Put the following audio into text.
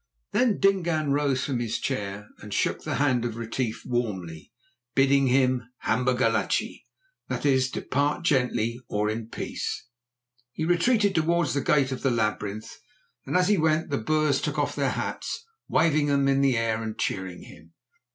Then Dingaan rose from his chair and shook the hand of Retief warmly, bidding him "Hamba gachlé," that is, Depart gently, or in peace. He retreated towards the gate of the labyrinth, and as he went the Boers took off their hats, waving them in the air and cheering him.